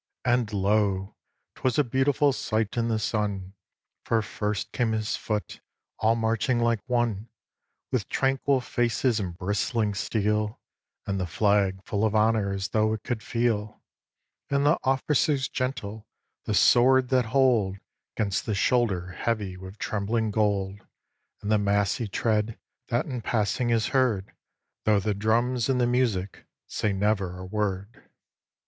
And lo! 'twas a beautiful sight in the sun; For first came his foot, all marching like one, With tranquil faces, and bristling steel, And the flag full of honour as though it could feel, And the officers gentle, the sword that hold 'Gainst the shoulder heavy with trembling gold, And the massy tread, that in passing is heard, Though the drums and the music say never a word.